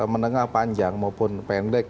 menengah panjang maupun pendek